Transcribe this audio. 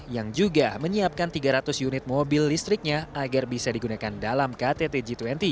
yang juga menyiapkan tiga ratus unit mobil listriknya agar bisa digunakan dalam ktt g dua puluh